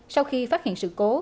sau khi phát hiện sự cố